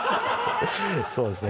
そうですね